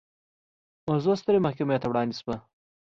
موضوع سترې محکمې ته وړاندې شوه.